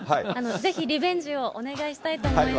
ぜひリベンジをお願いしたいと思います。